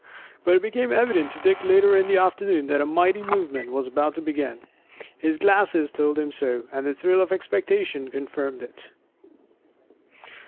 But it became evident to Dick later in the afternoon that a mighty movement was about to begin. His glasses told him so, and the thrill of expectation confirmed it.